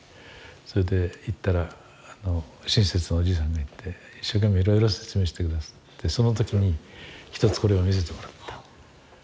それで行ったら親切なおじいさんがいて一生懸命いろいろ説明して下さってその時に一つこれを見せてもらった。